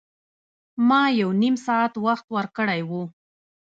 ما یو نیم ساعت وخت ورکړی و.